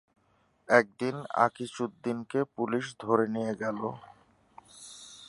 একদিন আকিজউদ্দীনকে পুলিশে ধরে নিয়ে গেল।